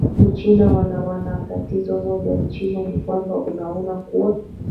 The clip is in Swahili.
uchina wana wana tatizo moja uchina ni kwamba unaona kuwa